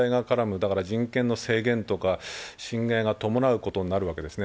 だから人権の制限とか信頼が伴うことになるわけですね。